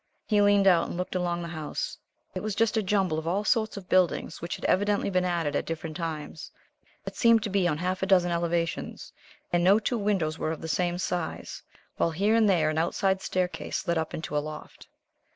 He leaned out and looked along the house. It was just a jumble of all sorts of buildings which had evidently been added at different times. It seemed to be on half a dozen elevations, and no two windows were of the same size, while here and there an outside staircase led up into a loft.